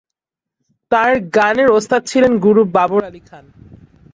তাঁর গানের ওস্তাদ ছিলেন গুরু বাবর আলী খান।